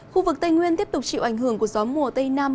khu vực tây nguyên tiếp tục chịu ảnh hưởng của gió mùa tây nam